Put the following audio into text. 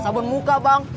sabun muka bang